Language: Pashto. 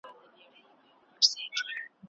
محلي حاکمان د مغولو کړني عملي کوي.